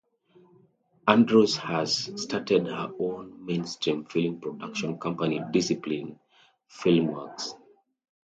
Andrews has started her own mainstream film production company Discipline Filmworks.